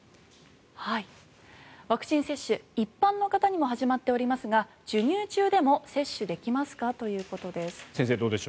ワクチン接種一般の方にも始まっておりますが授乳中でも接種できますか？ということです。